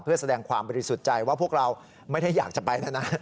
เพื่อแสดงความบริสุทธิ์ใจว่าพวกเราไม่ได้อยากจะไปแล้วนะ